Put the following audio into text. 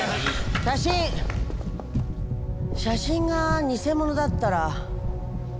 写真写真が偽物だったら。